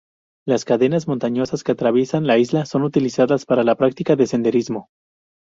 Las cadenas montañosas que atraviesan la isla son utilizadas para la práctica de senderismo.